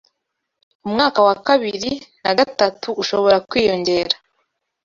umwaka wa bibiri na gatatu ushobora kwiyongera